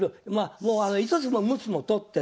もう５つも６つも取ってる。